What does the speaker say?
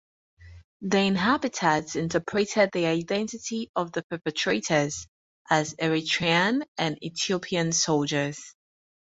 The inhabitants interpreted the identity of the perpetrators as Eritrean and Ethiopian soldiers.